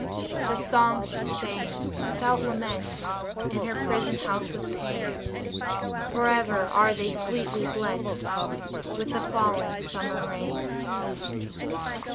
The songs she sang, without lament, In her prison house of pain, Forever are they sweetly blent With the falling summer rain.